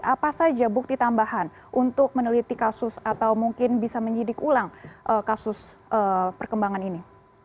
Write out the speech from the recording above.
apa saja bukti tambahan untuk meneliti kasus atau mungkin bisa menyidik ulang kasus perkembangan ini